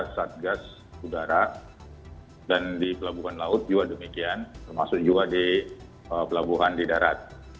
satgas udara dan di pelabuhan laut juga demikian termasuk juga di pelabuhan di darat